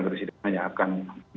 presiden hanya akan